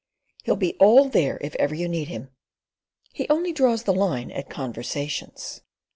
"He'll be all there if ever you need him. He only draws the line at conversations."